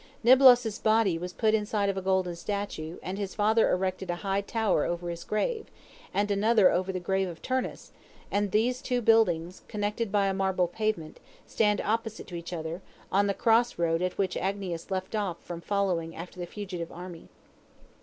Niblos' body was put inside of a golden statue, and his father erected a high tower over his grave, and another over the grave of Turnus, and these two buildings, connected by a marble pavement, stand opposite to each other, on the cross road at which Agnias left off from following after the fugitive army.